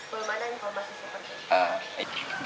belum ada informasi seperti itu